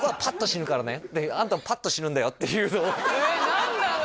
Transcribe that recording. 何だろう？